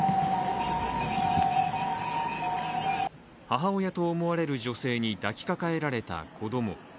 母親と思われる女性に抱きかかえられた子供。